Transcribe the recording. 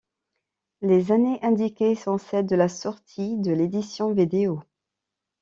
Les années indiqués sont celles de la sortie de l'édition vidéo.